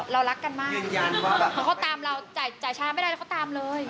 เรารักกันมากเพราะเขาตามเราจ่ายช้าไม่ได้แล้วเขาตามเลย